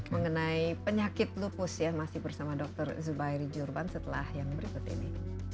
mengenai penyakit lupus ya masih bersama dr zubairi jurban setelah yang berikut ini